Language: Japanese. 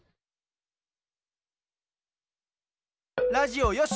ラジオよし！